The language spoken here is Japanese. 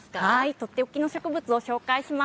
とっておきの植物を紹介します。